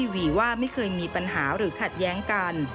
ว่าไม่เคยมีปัญหาหรือขัดแย้งกัน